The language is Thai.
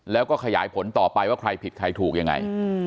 แล้วก็ขยายผลต่อไปว่าใครผิดใครถูกยังไง